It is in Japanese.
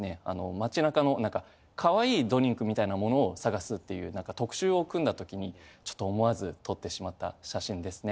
街中の何か可愛いドリンクみたいなものを探すっていう何か特集を組んだ時にちょっと思わず撮ってしまった写真ですね。